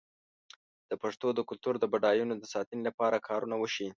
د پښتو د کلتور د بډاینو د ساتنې لپاره کارونه وشي.